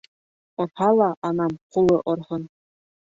Орһа ла, анам ҡулы орһон.